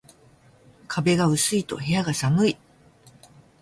壁が薄いと部屋が寒い